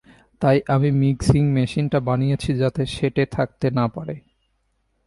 তাই আমি মিক্সিং মেশিনটা বানিয়েছি যাতে সেঁটে থাকতে না পারে।